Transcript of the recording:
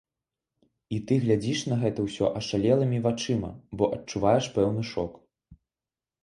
І ты глядзіш на гэта ўсё ашалелымі вачыма, бо адчуваеш пэўны шок.